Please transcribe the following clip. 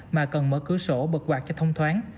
mà cần mở cửa sổ bật quạt cho thông thoáng